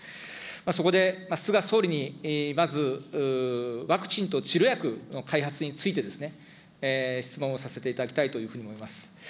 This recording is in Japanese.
そこで菅総理にまず、ワクチンと治療薬の開発について、質問をさせていただきたいというふうに思います。